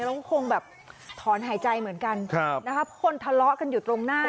เราคงแบบถอนหายใจเหมือนกันนะครับคนทะเลาะกันอยู่ตรงหน้า